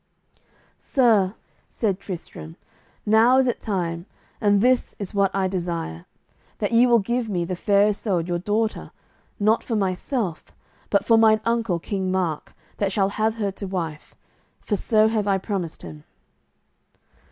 "Sir," said Tristram, "now is it time, and this is what I desire: that ye will give me the Fair Isoud, your daughter, not for myself, but for mine uncle, King Mark, that shall have her to wife, for so have I promised him."